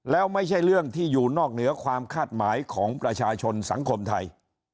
แล้วไม่ใช่เรื่องที่อยู่นอกเหนือความคาดหมายของประชาชนสังคมไทย